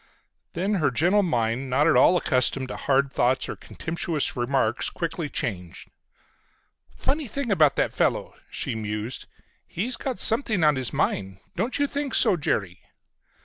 Then her gentle mind, not at all accustomed to hard thoughts or contemptuous remarks, quickly changed. "Funny thing about that fellow," she mused. "He's got something on his mind. Don't you think so, Jerry?"